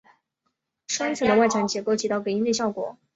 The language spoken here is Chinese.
双层的外墙结构起到隔音的效果。